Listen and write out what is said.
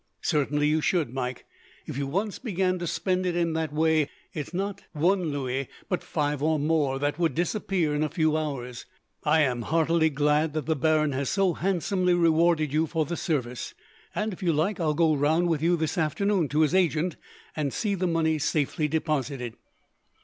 "Certainly you should, Mike. If you once began to spend it in that way, it is not one louis, but five or more, that would disappear in a few hours. I am heartily glad that the baron has so handsomely rewarded you for the service, and if you like, I will go round with you this afternoon to his agent, and see the money safely deposited."